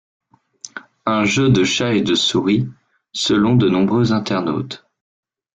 Un jeu de chat et de souris selon de nombreux internautes.